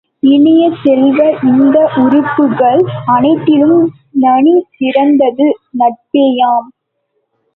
இனிய செல்வ, இந்த உறுப்புக்கள் அனைத்திலும் நனி சிறந்தது நட்பேயாம்.